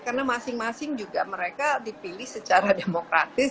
karena masing masing juga mereka dipilih secara demokratis